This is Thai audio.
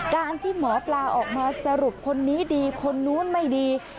การที่หมอปลาออกมาสรุปคนนี้ดีคนนู้นไม่ดี